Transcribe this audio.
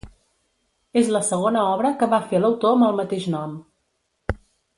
És la segona obra que va fer l'autor amb el mateix nom.